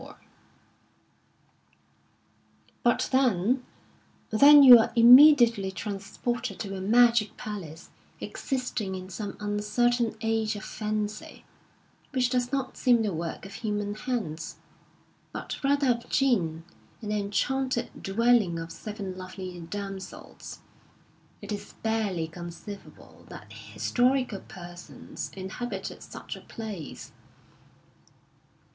188 Ubc lanb of tbc SUffcb Vfrain The But then, then you are immediately transpiorted Alhambra to a magic palace, existing in some uncertain age of fancy, which does not seem the work of human bands, but rather of Jin^ an enchanted dwelling of seven lovely damsels. It is barely conceivable that his torical persons inhabited such a place.